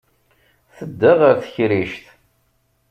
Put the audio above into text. Tedda ɣer tekrict.